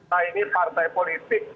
selamanya kita ini partai politik